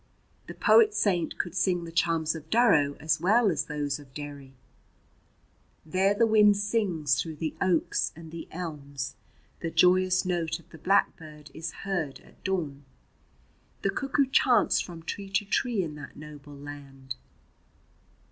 The poet saint could sing the charms of Durrow as well as those of Derry: There the wind sings through the oaks and the elms, The joyous note of the blackbird is heard at dawn, The cuckoo chants from tree to tree in that noble land.